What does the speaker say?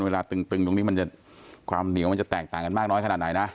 ตึงตรงนี้มันจะความเหนียวมันจะแตกต่างกันมากน้อยขนาดไหนนะ